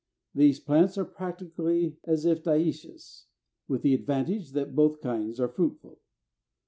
These plants are practically as if diœcious, with the advantage that both kinds are fruitful.